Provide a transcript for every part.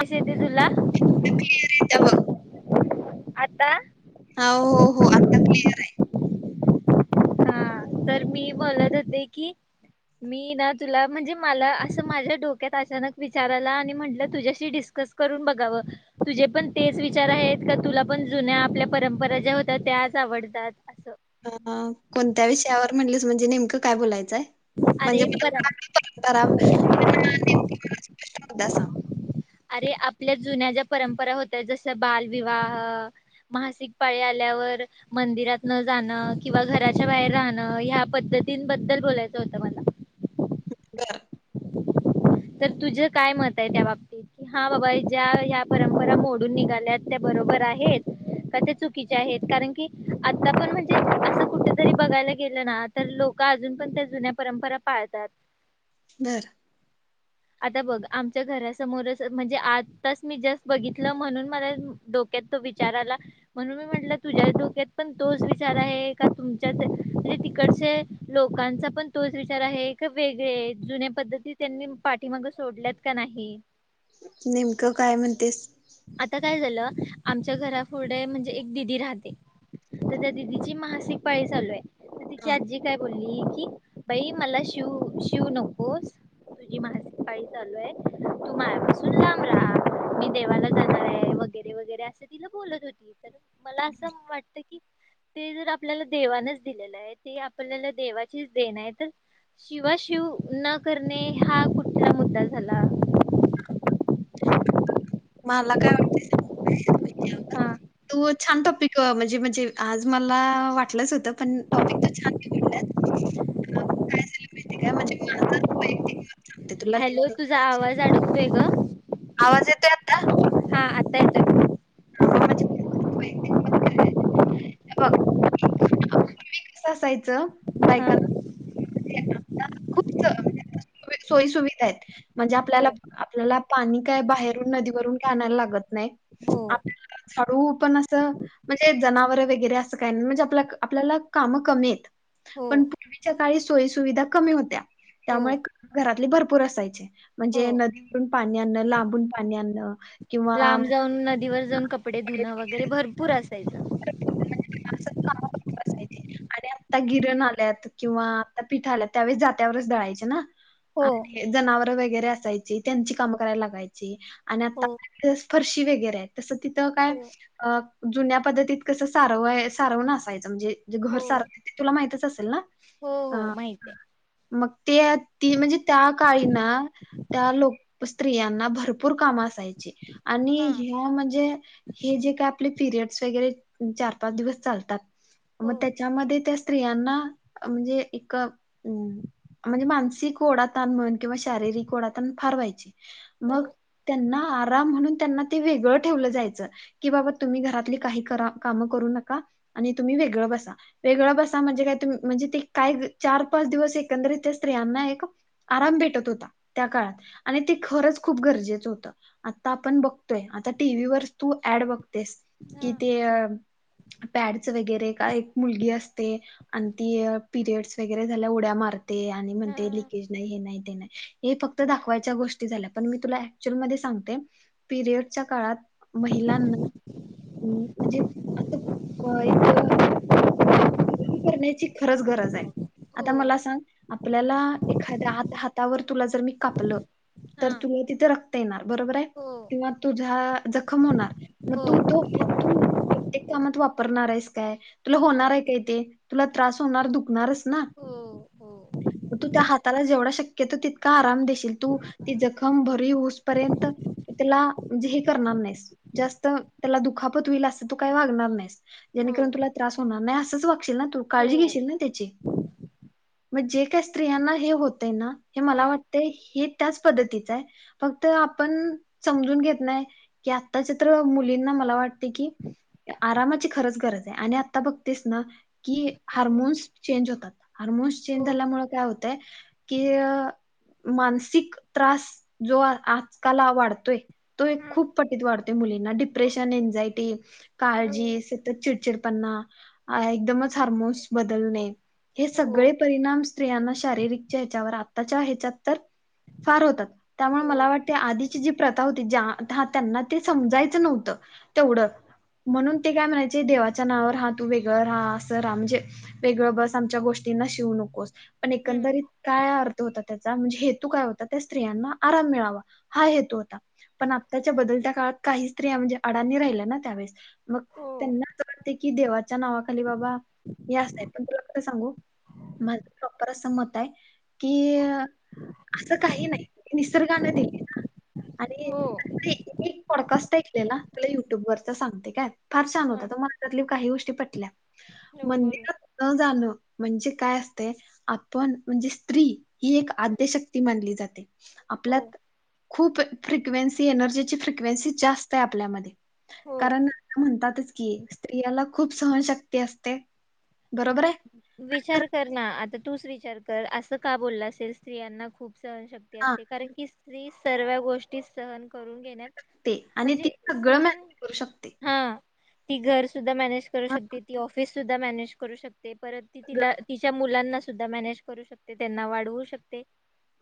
कस येत तुला त्या बघ आता हो हो हो आता क्लिअर आहे हा तर मी बोलत होते की मी ना तुला म्हणजे मला असं माझ्या डोक्यात अचानक विचार आला आणि म्हटलं तुझ्याशी डिस् कस करून बघावं. तुझे पण तेच विचार आहेत, का तुला पण जुन्या आपल्या परंपरा ज्या होत्या त्या त्याच आवडतात असं. अं कोणत्या विषयावर म्हणलीस म्हणजे नेमकं काय बोलायचं? अरे पर [unintelligible] दसाम अरे आपल्या जुन्या ज्या परंपरा होत्या जस, बालविवाह, मासिक पाळी आल्या. मंदिरात न जाणं, किंवा घराच्या बाहेर राहणं, ह्या पद्धतींबद्दल बोलायचं होतं मला. [inaudible] का. तर तुझं काय मत आहे त्या बाबतीत? हा बाबा, ज्या ह्या परंपरा, मोडून निघाल्यात त्या बरोबर आहेत. का ते चुकीचे आहेत. कारण की आता पण म्हणजे असं कुठेतरी बघायला गेलं ना तर लोक का अजून पण त्या जुन्या परंपरा पाळतात. घर आता बघ आमच्या घरासमोरच, म्हणजे आताच मी जस्ट बघितलं म्हणून मला [unintelligible] तो विचार आला. म्हणून मी म्हटल तुझ्या डोक्यात पण तोच विचार आहे का तुमच्या तिकडचे लोकांचा पण तोच विचार आहे, कि वेगळे, जुन्या पद्धती त्यांनी पाठीमाग सोडल्यात का नाही? नेमकं काय म्हणतेस. आता काय झालं आमच्या घरा पुढं, म्हणजे एक दिदी राहते. तर त्या दिदीची मासिक पाळी चालू आहे. तिची हा. आजी काय बोलली, की बाई मला शिव, शिव नकोस.. तुझी मासिक पाळी चालू आहे, तू माझ्यापासून लांब राहा, मी देवाला जाणार आहे. वगैरे वगैरे असं तिला बोलत होती. तर मला असं वाटत की ते जर आपल्याला देवानच दिलेलं आहे ते आपल्याला देवाचीच देण आहे तर, शिवाशिव न करणे, हा कुठला मुद्दा झाला? [unintelligible] माला काय वाटतय [unintelligible] हा दुद छान टॉपिक. म्हणजे, म्हणजे आज मला वाटलंच होतं पण टॉपिक तर छान निवडलाय. ब [unintelligible] काय झा माहिती काय म्हणजे म माहि [unintelligible] हॅलो तुझा आवाज अडकतोय. ग आवाज येतो आता? हा आता येतोय. हा म मनजे [inaudible] हे बघ पूर्वी कस असायचं, हा बायकांना [inaudible] पूर सोयी सुुविधा आहेत. म्हणजे हो आपल्याला आपल्याला पाणी काय बाहेरून नदीवरून का आणयला लागत नाही हो [unintelligible] हळू पण अस म्हणजे जनावर रे अस काय नाय म्हणजे आपल्याला काम कमी आहेत. हो पण पूर्वीच्या काळी सोयी सुुविधा कमी होत्या. हो त्यामुळे घरातली भरपूर असायचे, हो म्हणजे नदीवरून पाणी आणण, लांबून पाणी आणणं. किंवा लांब जाऊन, नदीवर जाऊन, कपडे, धुणं वगैरे भरपूर असायचं. असं का? बसायचे आणि आता गिरण आल्यात, किंवा आता पिठ आल्यात, त्यावेळेस जात्यावरच दळायचे ना. हो आणि जनावर वेगैरे असाय त्, यांची काम कराला लागायची, आणि आ हो वरे [unintelligible] तिथं काय हो अ जुन्या पद्धतीत कस सारवय, सारव न असायचं म्हणजेे घर हो सारव तुला माहितच असेल ना? हो हो अ माहितीये. मग ते ती म्हणजे त्या काळीना त्या लोक स्त्रियांना भरपूर कामा असायचे आणि हा ह्या म्हणजे? हे जे काय आपले पीरियड्स वगैरे चार पाच दिवस चालतात. हो मग त्याच्यामध्ये त्या स्त्रियांना म्हणजे एक म्हणजे मानसिक ओडातण म्हण किंवा शारीरिक ओडाताण फार व्हायची. हो मग त्यांना आराम म्हणून त्यांना ते वेगळं ठेवलं जाय. की बाबा तुम्ही घरातली काही काम करू नका तुम्ही वेगळ बसा वेगळं बसा. म्हणजे काय तुम्ही म्हणजे ते काय चार पाच दिवस एकंदरीत स्त्रियांना एक आराम भेटत होता. त्या काळात आणि ते खरंच खूप गरजेचं होतं आता आपण बघतोय आता टीव्हीवर तू ऍड बघतेस हा कि ते अ पॅड्स वगैरे का एक मुलगी असते अन ती पीरियड्स वगैरे झाल्या उड्या मार ते आणि हा म्हणते लिकेज नाही हे न नाही ते नाही हे फक्त दाखवायच्या गोष्टी झाल्या पण मी तुला ऍक्चुल मध्ये सांगते पीरियड्सच्या काळात महिलांना म्हणजे आता एक अ करण्याची खरंच गरज आहे. हो आता मला सांग आपल्याला एखाद्या आत हातावर तुला जर मी कापलं. हा तर तुला तिथे रक्ता येणार बरोबर आहे हो किंवा तुझा जखम होणार मग तू हो तो तू ते कामात वापरणार आहेस काय? तुला होणार नाही आहे काय ते तुला त्रास होणार दुखणारच ना. हा तू त्या हाताला जेवढा शक्य तो तितका आराम देशील तू ती जखम भरी होऊस पर्यंत त्याला म्हणजे हे करणार नाहीस जास्त त्याला दुखापतल होईल अस तो काही वागणार नाहीस. हो त्याणेकरून तुला त्रास होणार नाही असंच वागशील ना तू काळजी हो घेशील ना त्याची. [inaudible] म जे काही स्त्रियांना हे होतय ना! हे मला हम्म वाटते हे त्याच पद्धतीचं आहे फक्त आपण समजून घेत नाही की आताच्या तर मुलींना मला वाटते की आरामाची खरंच गरज आहे आणि आता बघ तेच ना की हो हार्मोन्स चेंज होतात. हार्मोन्स हो चेंज झाल्यामुळे काय होत. ते कि अ मानसिक त्रास जो आ आजकाल वाढतोय तो एक हा खूप पटीत वाढतोय मुली डिप्रेशन, एन्झायटी, हो काळजी सतत चिडचिड पणा. अ एकदमच हार्मोन्स बदलणे हे हो सगळे परिणाम स्त्रियांना शारीरिकच्या ह्याच्यावर आताच्या ह्याच्यात तर फार होतात त्यामुळे हो मला वाटते आधीची जी प्रथा होती ज्या हा त्यांना ते समजायच नव्हतं. तेवढं म्हणून ते काय म्हणायचे देवाच्या नावावर हा तू व्य राहा असं राहा म्हणजे वेगळं बस आमच्या गोष्टींना शिवू नकोस. पण हम्म एकंदरीत काय अर्थ होता त्याचा म्हणजे? हे तो काय होता त्या स्त्रियांना आराम मिळावा हा हेतू होता पण आताच्या हो बदलत्या काळात काही स्त्रिया म्हणजे अडाणी राहिला ना त्यावेळेस मग हो त्यांना असं वाटते की देवा च्या नावाखाली बाबा हे असय पण तुला कस सांगू? माझं प्रॉपर असं मत आहे की असं काही नाही निसर्गान दिल न. आणि एक एक पॉडकास्ट ऐकलेला तुला युट्यूब वरच सांगते काय. फार छान होत तो मला त्यातली काही गोष्टी पटल्या हो बोल मंदिरात न जाणं म्हणजे काय असते आपण म्हणजे स्त्री ही एक आद्यशक्ती मानली जाते. हो आपल्यात खूप फ्रिक्वेन्सी, एनर्जीची फ्रिक्वेन्सी जास्त आय आपल्यामध्ये कारण हो आता म्हणतातच की स्त्रियाला खूप सहनशक्ती असते. बरोबर [unintelligible] आहे? तर विचार कर ना, आता तूच विचार कर, असं का बोललं असेल स्त्रियांना खूप सहनशक्ती हा असते कारण की स्त्री सर्व्या गोष्टी सहन करून घेण्यात ते आणि ती म्हणजे सगळं सहण मॅनेज करू शकते. हा ती घर सुद्धा मॅनेज करू शकते, ती ऑफिस सुद्धा मॅनेज करू शक ते परत ती हा, तिला तिच्या मुलांना सुद्धा मॅनेज करू शकते, त्येंना वाढवू शकते.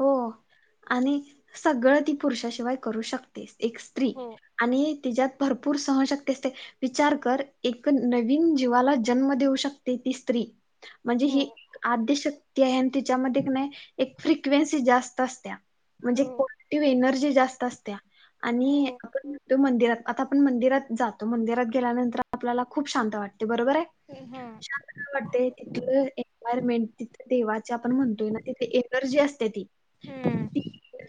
हो आणि सगळं ती पुरुषाशिवाय करू शकतेस. एक स्त्री हो आणि तिज्यात भरपूर सहनशक्ती असते, विचार कर एक नवीन जीवाला जन्म देऊ शकते ती स्त्री म्हणजे हो ही आद्यशक्ती आहे आणि तिच्यामध्ये कनाय एक फ्रिक क्वेनसी जास्त असत्या म्हणजे हो [unintelligible] एनर्जी जास्त असत्या आणि हो आपण म्हणतो मंदिरात आता आपण मंदिरात जातो, मंदिरात गेल्यानंतर आपल्याला खूप शांत वाटते, बरोबराय? हा शांत का वाटतय? तिथलं एन्वायरमेंट तिथ देवाचे आपण म्हणतोय ना तिथे एनर्जी अस तेति हम्म ती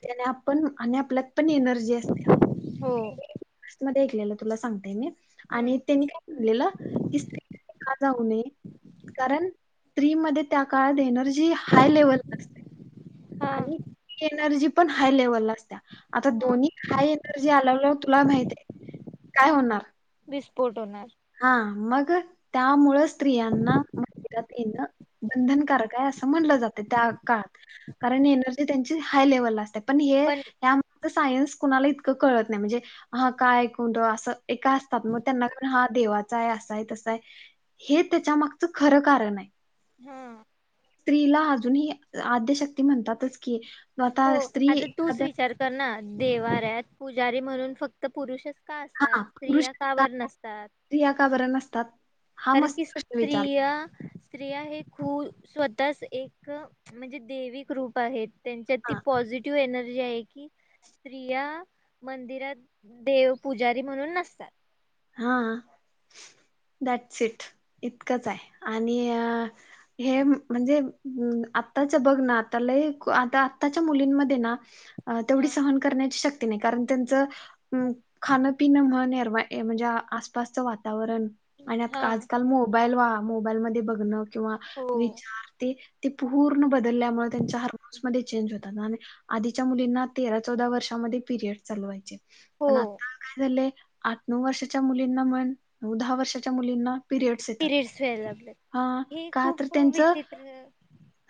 त्याने आपण आणि आपल्यात पण एनर्जी असत्या हो [unintelligible] मध्ये ऐकलेलं तुला सांगते मी आणि हम्म त्यांनी काय म्हणलेलं, की स्त्री नी का जाऊ नये कारण स्त्री मधे त्या काळात एनर्जी हाय लेवल असते, हा आणि ती एनर्जी पण हाय लेवलला असत्या, आता हा दोनी हाय एनर्जी आल्याल्या तुला माहितय काय होणार? विस्फोट होणार. हा मग त्यामुळ स्त्रियांना मंदिरात येणं बंधनकारक आहे अ अस म्हणलं जातंय त्या काळात, कारण एनर्जी त्यांची हायलेवलला असत्या. पण हे या [unintelligible] सायन्स कुणाला इतकं कळत नाही म्हणजे हा काय, कोणतं असं एका असता मग त्यांना [unintelligible] हात देवाचाय, असाय तसाय हे त्याच्यामागचं खरं कारणाय हा. स्त्रीला अजूनही आद्यशक्ती म्हणतातच की हो आता स्त्री आता तूच एखाद्या विचार कर ना, देवाऱ्यात पुजारी म्हणून फक्त पुरुषच का असतात? हा पुरुष स्त्रिया का बर नसतात? स्त्रिया का बरं नसतात हा कारण मस्त की प्रश्न विचारला स्त्रिया, स्त्रिया हे खूल स्वतःच एक म्हणजे देविक रूप आहेत, त्यांच्यात ती हा पॉझिटिव्ह एनर् जी आहे की स्त्रिया मंदिरात देव, पुजारी म्हणून नसतात हा. दॅट्स इट इतकंचाय आणि अ हे म्हणजे [unintelligible] आताच्या बघ ना, आता लई आ आताच्या मुलींमध्ये ना अ तेवढी हा. सहन करण्याची शक्ती नाही कारण त्यांचं उम खाणं, पिन [unintelligible] ये म्हणजे आसपासचं वातावरण आणि हा आतका आजकाल मोबाईल वा मोबाईल मध्ये बघणं. किंवा हो विचार ते पूर्ण बदल्यामुळ त्यांचे हारमोन्स् मदे चेंज होतात आणि आधीच्या मुलींना तेरा चौदा वर्षामध्ये पिरियड चालू व्हायचे. हो पण आता काय झालंय, आठ नऊ वर्षाच्या मुलींना म्हण, नऊ दहा वर्षाच्या मुलींना पिरियडस् येतात, पिरियड्स व्हायला लागलेत. हा हे का तर खूप त्यांच विचित्र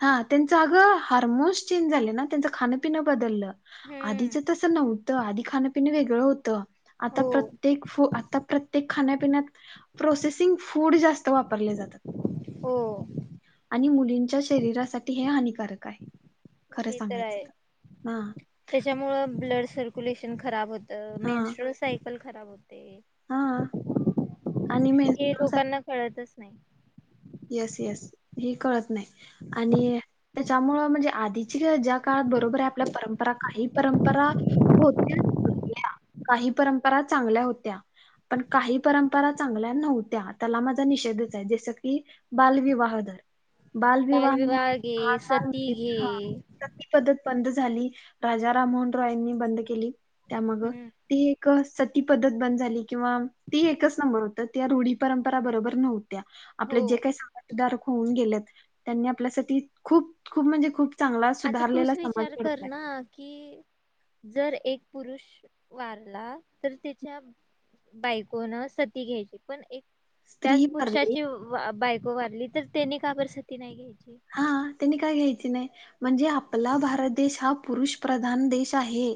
हा त्यांचं अगं हार्मोन्स चेंज झाले ना, त्यांचं खान पिनं बदललं हम्म आधीच तसं नव्हतं, आधी खाणपिण वेगळं होतं आता हो प्रत पू आता प्रत्येक खाण्यापिण्यात प्रोसेसिंग फूड जास्त वापरले जातात. हो. आणि मुलींच्या शरीरासाठी हे हानिकारक आहे. खरं ते तर सांगायचं आहे, हा त्याच्यामुळ ब्लड सर्क्युलेशन खराब होत हा मेनस्ट्रल सायकल खराब होते. हा आणि हे मेन्स्ट्रुअल लोकांना कळतच नाही. एस एस हे कळत नाही आणि त्यांच्यामुळे म्हणजे आधीची ज्या काळात बरोबर. आपल्या परंपरा काही परंपरा हो काही परंपरा चांगल्या. त्या काही परंपरा चांगल्या नव्हत्या त्याला माझा निषेधच बाल विवाह बालविवाह घे सती घे पद् [unintelligible] बंद झाली राजा राममोहन रॉयनी बंद केली त्याग हम्म ती. सती पद्धत बंद झाली किंवा ती एकच नंबर होत त्या रूढी परंपरा बरोबर नव्हत्या. हो आपले जे काही सवातधारक होऊन गेलेत त्यांनी आपल्यासाठी खूप खूप म्हणजे खूप. चांगला आता सुधारलेला तूच समाज विचार कर घडवलाय. ना की जर एक पुरुष वारला तर त्याच्या. बायकोन सती घ्यायची पण एक स्त्री त्याच भरली पुरुषाची बायको वारली तर त्यानी का बर सती नाही घेली. हा त्यांनी काय घयची. नाही म्हणजे आपला भारत देश हा पुरुष प्रधान देश आहे.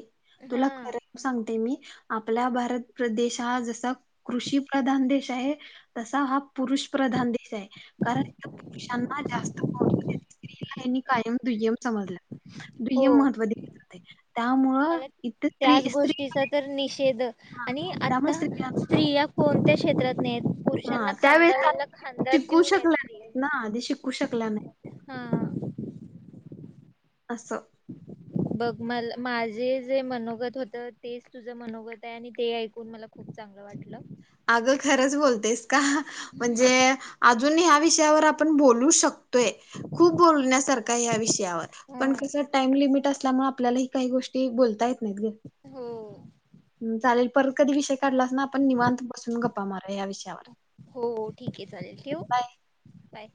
तुला हा खर सांगते मी. आपला भारतदेश हा जसा कृषी प्रधान देश आहे तसा हा पुरुष प्रधान देश आहे कारण पुरुषांना जास्त. स्त्री ला यांनी कायम दुय्यम समजला दुय्यम हो महत्त्व. मला त्याच स्त्री गोष्टीचा तर निषेध हां, आणि त्यामुळे आता. स्त्रिया स्त्रिया कोणत्या. नाही पुरुषांना हां, त्यावेळेस त्या खांदाला खांदा शिकू देऊनय शकल्या स्त्री नाहीत ना, आधी शिकू शकल्या नाहीत हा. अससं. बघ म माझे जे मनोगत होत तेच तुझं मनोगत आहे आणि ते ऐकून मला खूप चांग चांगलं वाटलं. अगं खरंच बोलतेस का म्हणजे हम्म. अजून ह्या विषयावर आपण बोलू शकतो. खुप बोलण्या सारख आहे या विषयावर पण ह कसा टाईम लिमिट असतो. असल्यामुळे आपल्याला ह काही गोष्टी बोलता येत नाहीत ग. हो चालेल परत कधी विषय काढलास ना आपण निवांत बसून गप्पा मारु. हो ठीक आहे चालेल ठेवू बाय.